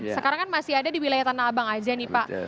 sekarang kan masih ada di wilayah tanah abang aja nih pak